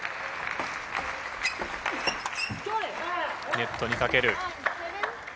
ネットにかける。